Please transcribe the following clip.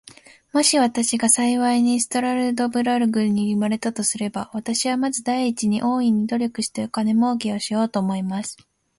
もし私が幸いにストラルドブラグに生れたとすれば、私はまず第一に、大いに努力して金もうけをしようと思います。